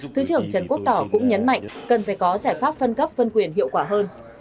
thứ trưởng trần quốc tỏ cũng nhấn mạnh cần phải có giải pháp phân cấp phân quyền hiệu quả hơn